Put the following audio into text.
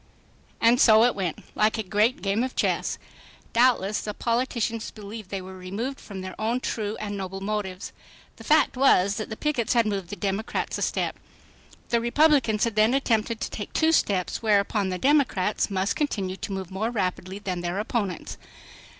And so it went—like a great game of chess. Doubtless the politicians believed they were moved from their own true and noble motives. The fact was that the pickets had moved the Democrats a step. The Republicans had then attempted to take two steps, whereupon the Democrats must continue to move more rapidly than their opponents.